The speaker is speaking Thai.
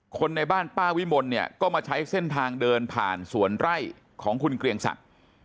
คนในบ้านป้าวิมลเนี่ยก็มาใช้เส้นทางเดินผ่านสวนไร่ของคุณเกรียงศักดิ์